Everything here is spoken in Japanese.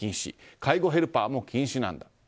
介護ヘルパーも禁止なんだと。